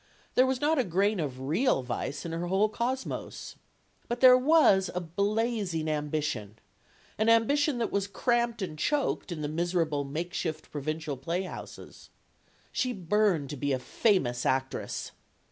There was not a grain of real vice in her whole cosmos. But there was a blazing ambition; an ambition that was cramped and choked in the miserable, makeshift provincial playhouses. She burned to be a famous actress.